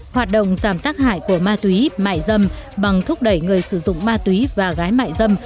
hoạt động giảm tác hại của ma túy mại dâm bằng thúc đẩy người sử dụng ma túy và gái mại dâm